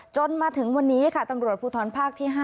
จนถึงวันนี้ค่ะตำรวจภูทรภาคที่๕